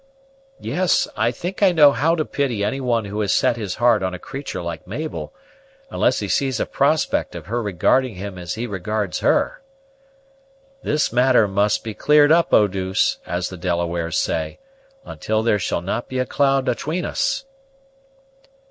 Yes, I think I know how to pity any one who has set his heart on a creature like Mabel, unless he sees a prospect of her regarding him as he regards her. This matter must be cleared up, Eau douce, as the Delawares say, until there shall not be a cloud 'atween us."